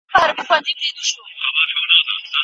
ليکوال بايد د ټولني په پرمختګ کي برخه واخلي.